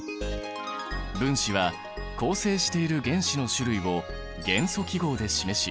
分子は構成している原子の種類を元素記号で示し